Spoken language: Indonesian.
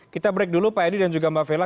kita break dulu pak edi dan juga mbak vela